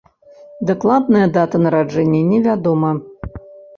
Дакладная дата нараджэння не вядома.